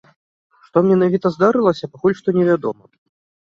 Што менавіта здарылася, пакуль што невядома.